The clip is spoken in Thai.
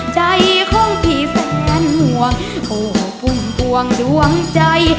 ใจของพี่แสนหัวโอ้ปุ่งปวงดวงใจ